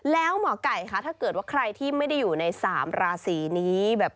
แล้วหมอไก่คะถ้าเกิดว่าใครที่ไม่ได้อยู่ใน๓ราศีนี้แบบ